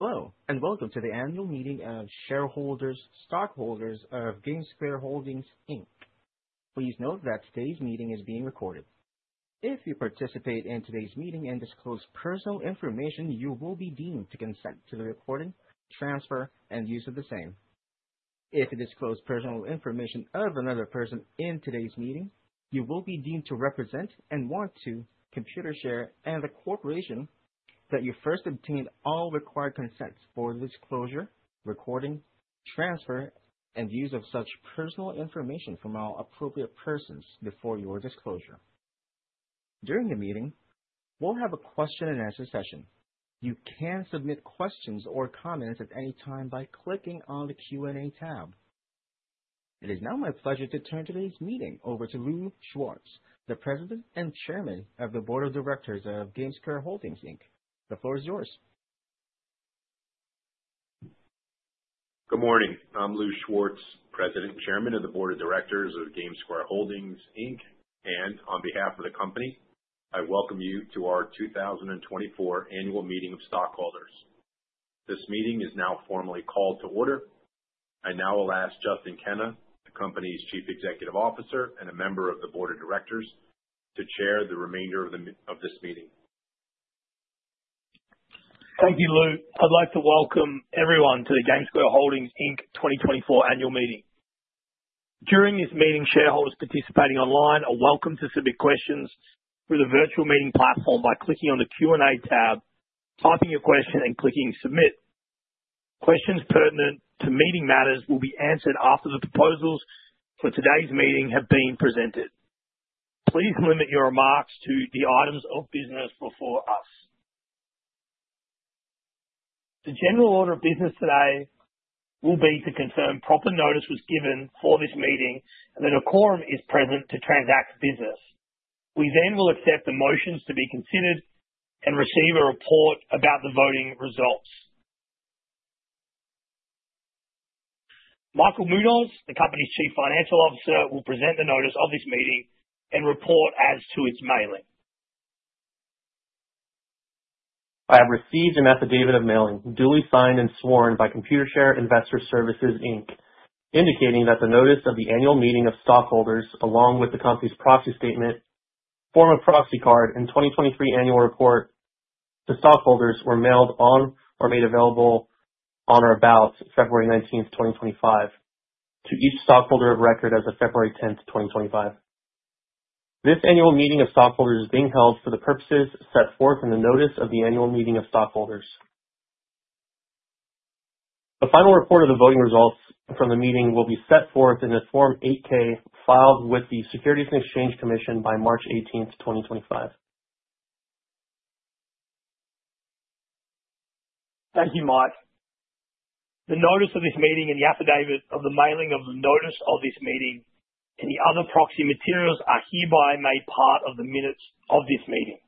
Hello, and welcome to the annual meeting of shareholders, stockholders of GameSquare Holdings, Inc. Please note that today's meeting is being recorded. If you participate in today's meeting and disclose personal information, you will be deemed to consent to the recording, transfer, and use of the same. If you disclose personal information of another person in today's meeting, you will be deemed to represent and warrant to Computershare and the corporation that you first obtained all required consents for disclosure, recording, transfer, and use of such personal information from all appropriate persons before your disclosure. During the meeting, we'll have a question and answer session. You can submit questions or comments at any time by clicking on the Q&A tab. It is now my pleasure to turn today's meeting over to Louis Schwartz, the President and Chairman of the Board of Directors of GameSquare Holdings, Inc. The floor is yours. Good morning. I'm Louis Schwartz, President and Chairman of the Board of Directors of GameSquare Holdings, Inc. On behalf of the company, I welcome you to our 2024 annual meeting of stockholders. This meeting is now formally called to order. I now will ask Justin Kenna, the company's Chief Executive Officer and a member of the board of directors, to chair the remainder of this meeting. Thank you, Lou. I'd like to welcome everyone to the GameSquare Holdings, Inc. 2024 annual meeting. During this meeting, shareholders participating online are welcome to submit questions through the virtual meeting platform by clicking on the Q&A tab, typing your question, and clicking submit. Questions pertinent to meeting matters will be answered after the proposals for today's meeting have been presented. Please limit your remarks to the items of business before us. The general order of business today will be to confirm proper notice was given for this meeting and that a quorum is present to transact business. We then will accept the motions to be considered and receive a report about the voting results. Michael Munoz, the company's Chief Financial Officer, will present the notice of this meeting and report as to its mailing. I have received an affidavit of mailing, duly signed and sworn by Computershare Investor Services, Inc., indicating that the notice of the annual meeting of stockholders, along with the company's proxy statement, form of proxy card, and 2023 annual report to stockholders were mailed on or made available on or about February 19th, 2025, to each stockholder of record as of February 10th, 2025. This annual meeting of stockholders is being held for the purposes set forth in the notice of the annual meeting of stockholders. The final report of the voting results from the meeting will be set forth in the Form 8-K filed with the Securities and Exchange Commission by March 18th, 2025. Thank you, Mike. The notice of this meeting and the affidavit of the mailing of the notice of this meeting and the other proxy materials are hereby made part of the minutes of this meeting.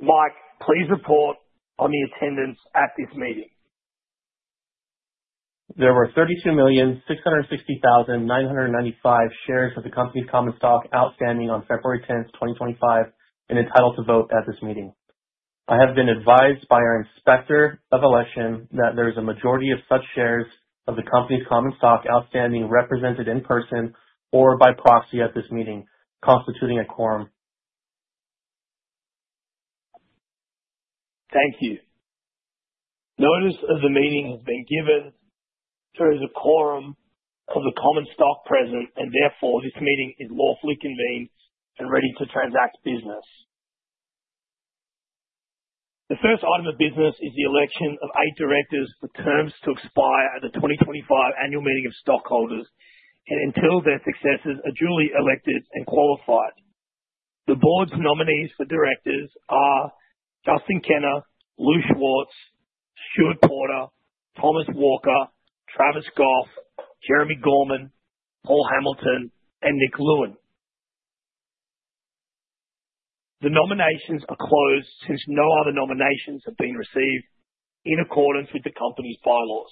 Mike, please report on the attendance at this meeting. There were 32,660,995 shares of the company's common stock outstanding on February 10th, 2025 and entitled to vote at this meeting. I have been advised by our Inspector of Election that there is a majority of such shares of the company's common stock outstanding represented in person or by proxy at this meeting, constituting a quorum. Thank you. Notice of the meeting has been given. There is a quorum of the common stock present, and therefore, this meeting is lawfully convened and ready to transact business. The first item of business is the election of eight directors for terms to expire at the 2025 annual meeting of stockholders and until their successors are duly elected and qualified. The board's nominees for directors are Justin Kenna, Louis Schwartz, Stuart Porter, Thomas Walker, Travis Goff, Jeremi Gorman, Paul Hamilton, and Nick Lewin. The nominations are closed since no other nominations have been received in accordance with the company's bylaws.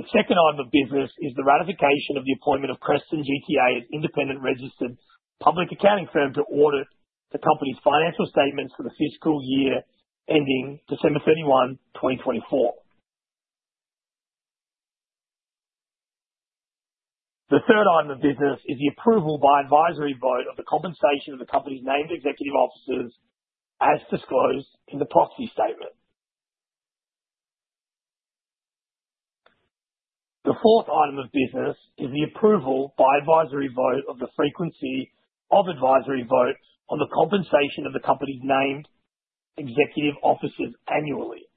The second item of business is the ratification of the appointment of Kreston GTA as independent registered public accounting firm to audit the company's financial statements for the fiscal year ending December 31, 2024. The third item of business is the approval by advisory vote of the compensation of the company's named executive officers as disclosed in the proxy statement. The fourth item of business is the approval by advisory vote of the frequency of advisory votes on the compensation of the company's named executive officers annually.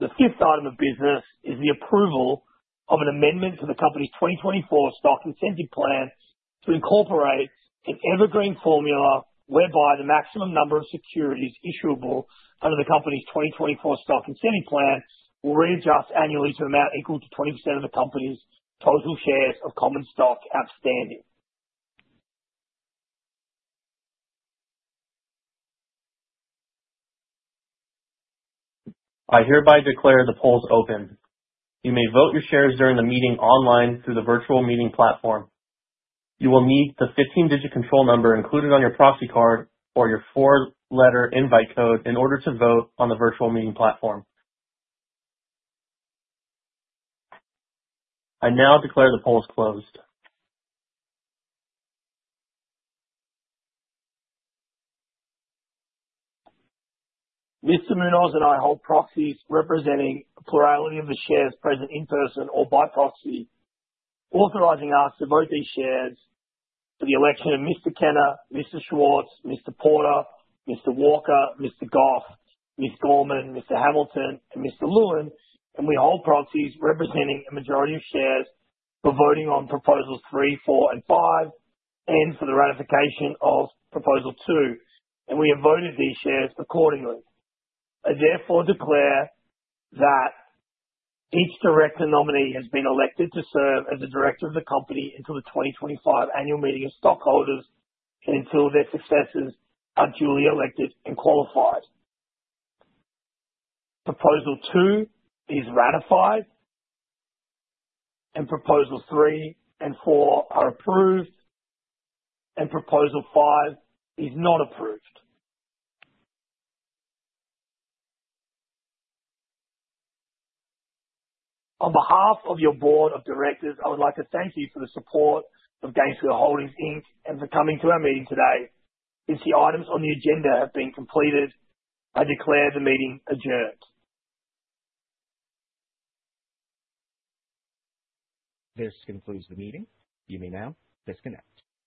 The fifth item of business is the approval of an amendment to the company's 2024 Stock Incentive Plan to incorporate an evergreen formula whereby the maximum number of securities issuable under the company's 2024 Stock Incentive Plan will readjust annually to an amount equal to 20% of the company's total shares of common stock outstanding. I hereby declare the polls open. You may vote your shares during the meeting online through the virtual meeting platform. You will need the 15-digit control number included on your proxy card or your four-letter invite code in order to vote on the virtual meeting platform. I now declare the polls closed. Mr. Munoz and I hold proxies representing a plurality of the shares present in person or by proxy, authorizing us to vote these shares for the election of Mr. Kenna, Mr. Schwartz, Mr. Porter, Mr. Walker, Mr. Goff, Ms. Gorman, Mr. Hamilton, and Mr. Lewin. We hold proxies representing a majority of shares for voting on proposals three, four, and five, and for the ratification of proposal two. We have voted these shares accordingly. I therefore declare that each director nominee has been elected to serve as a director of the company until the 2025 annual meeting of stockholders and until their successors are duly elected and qualified. Proposal two is ratified, and proposals three and four are approved, and proposal five is not approved. On behalf of your board of directors, I would like to thank you for the support of GameSquare Holdings, Inc., and for coming to our meeting today. Since the items on the agenda have been completed, I declare the meeting adjourned. This concludes the meeting. You may now disconnect.